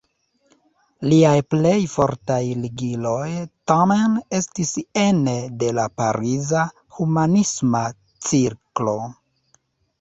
Liaj plej fortaj ligiloj, tamen, estis ene de la pariza humanisma cirklo.